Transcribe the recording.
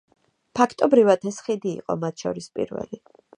ფაქტობრივად ეს ხიდი იყო მათ შორის პირველი.